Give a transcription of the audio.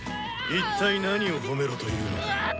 一体何を褒めろうわあ！というのだ！